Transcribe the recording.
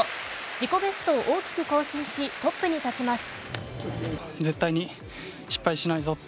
自己ベストを大きく更新し、トップに立ちます。